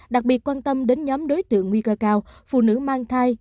đặc biệt quan tâm đến nhóm đối tượng nguy cơ cao phụ nữ mang thai